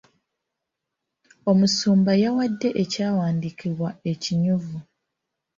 Omusumba yawadde ekyawandiikibwa ekinyuvu.